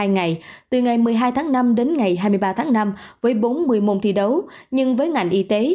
một mươi ngày từ ngày một mươi hai tháng năm đến ngày hai mươi ba tháng năm với bốn mươi môn thi đấu nhưng với ngành y tế